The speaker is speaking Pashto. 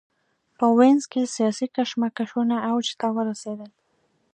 په وینز کې سیاسي کشمکشونه اوج ته ورسېدل.